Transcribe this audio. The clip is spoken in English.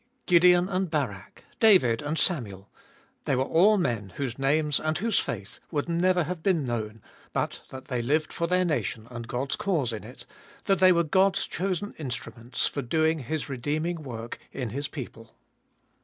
Gideon and Barak, David and Samuel, they were all men whose names and whose faith would never have been known, but that they lived for their nation and God's cause in it, that they were God's chosen instruments for doing His redeeming work in His people.